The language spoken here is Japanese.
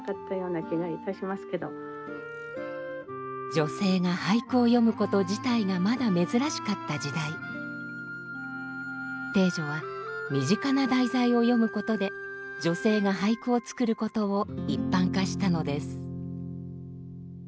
女性が俳句を詠むこと自体がまだ珍しかった時代汀女は身近な題材を詠むことで女性が俳句を作ることを一般化したのです。